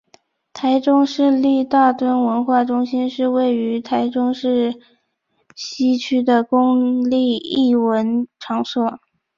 台中市立大墩文化中心是位于台中市西区的公立艺文场所。